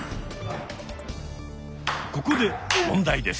ここで問題です。